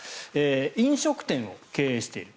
飲食店を経営している。